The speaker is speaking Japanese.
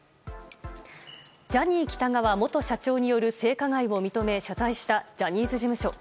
ジャニー喜多川元社長による性加害を認め謝罪したジャニーズ事務所。